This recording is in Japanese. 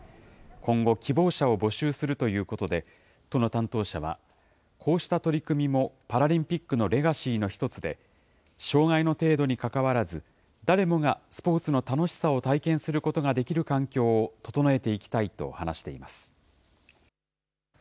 今後、希望者を募集するということで、都の担当者は、こうした取り組みもパラリンピックのレガシーの一つで、障害の程度に関わらず、誰もがスポーツの楽しさを体験することができる環境を整えていきたいと話しています。